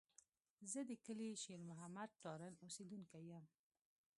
زه د کلي شېر محمد تارڼ اوسېدونکی یم.